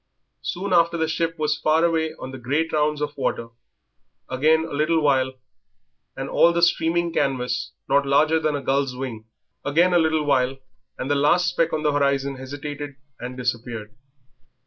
Soon after the ship was far away on the great round of waters, again a little while and all the streaming canvas not larger than a gull's wing, again a little while and the last speck on the horizon hesitated and disappeared.